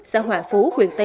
xã hòa phú quyền tây